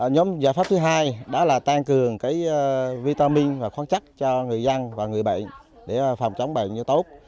nhóm giải pháp thứ hai đó là tăng cường vitamin và khoáng chất cho người dân và người bệnh để phòng chống bệnh cho tốt